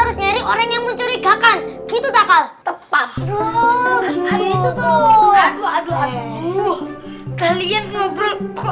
harus nyari orang yang mencurigakan gitu takal tepat itu tuh aduh aduh aduh kalian ngobrol